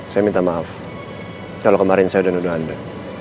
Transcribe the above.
saya minta maaf kalau kemarin saya sudah nuduh anda